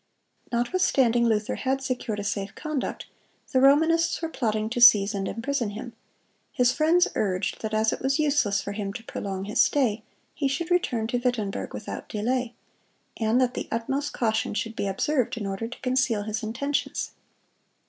Notwithstanding Luther had secured a safe conduct, the Romanists were plotting to seize and imprison him. His friends urged that as it was useless for him to prolong his stay, he should return to Wittenberg without delay, and that the utmost caution should be observed in order to conceal his intentions.